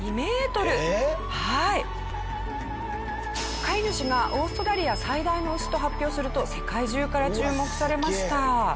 飼い主が「オーストラリア最大の牛」と発表すると世界中から注目されました。